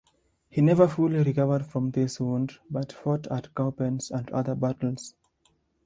He never fully recovered from this wound, but fought at Cowpens and other battles.